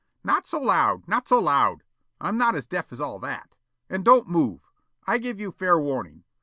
"Not so loud! Not so loud! I'm not as deaf as all that. And don't move! I give you fair warning.